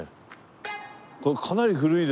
これかなり古いですよね。